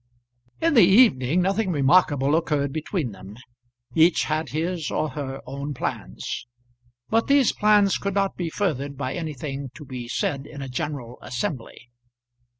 In the evening nothing remarkable occurred between them. Each had his or her own plans; but these plans could not be furthered by anything to be said in a general assembly.